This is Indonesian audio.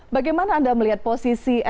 bagaimana anda melihat posisi